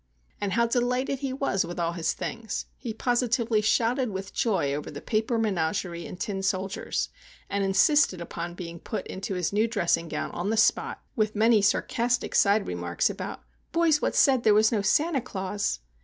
And how delighted he was with all his things! He positively shouted with joy over the paper menagerie and tin soldiers; and insisted upon being put into his new dressing gown on the spot, with many sarcastic side remarks about "boys what said there was no Santa Claus!"